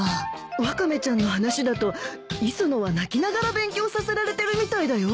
ワカメちゃんの話だと磯野は泣きながら勉強させられてるみたいだよ。